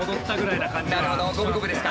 なるほど五分五分ですか。